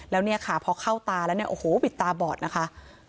แล้วนี่ค่ะพอเข้าตาแล้วโอ้โฮปิดตาบอดนะคะ